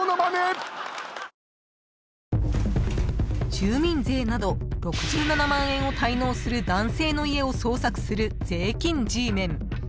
［住民税など６７万円を滞納する男性の家を捜索する税金Ｇメン］